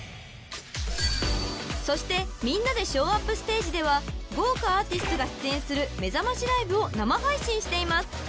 ［そしてみんなでＳＨＯＷＵＰステージでは豪華アーティストが出演するめざましライブを生配信しています］